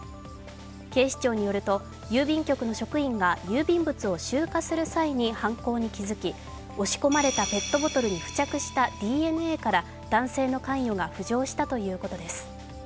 警視庁によると、郵便局の職員が郵便物を集荷する際に犯行に気付き押し込まれたペットボトルに付着したＤＮＡから、男性の関与が浮上したということです。